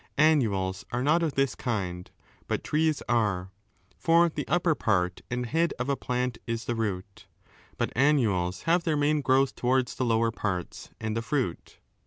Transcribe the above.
Annuals are not of this kind, but trees ara For the upper part and head of a plant is the root, but annuals have their main growth towards the lower' parts and the fruit.